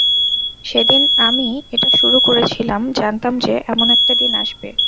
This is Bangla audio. যেদিন আমি এটা শুরু করেছিলাম, জানতাম যে এমন একটা দিন আসবে।